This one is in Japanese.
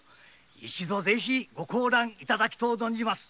一度ぜひご高覧いただきとう存じまする。